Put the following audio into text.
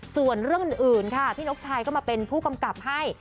ส่วนเรื่องอื่นค่ะพี่นกชายก็มาเป็นผู้กำกับให้